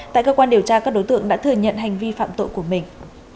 tại cơ quan điều tra các đối tượng đã thừa nhận hành vi phạm tội của mình